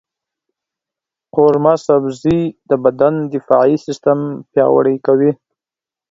قورمه سبزي د بدن دفاعي سیستم پیاوړی کوي.